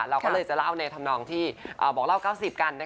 เราก็เลยจะเล่าในธรรมนองที่บอกเล่า๙๐กัน